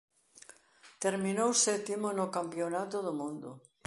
Terminou sétimo na Campionato do Mundo.